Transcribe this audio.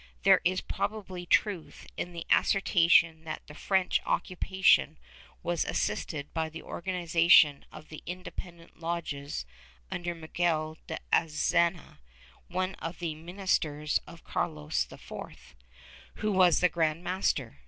There is prol^ably truth in the assertion that the French occupation was assisted by the organization of the independent lodges under Miguel de Azanza, one of the ministers of Carlos IV, who was grand master.